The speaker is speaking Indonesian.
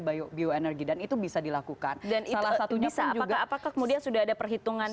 bio bio energi dan itu bisa dilakukan dan itu bisa apakah apakah kemudian sudah ada perhitungan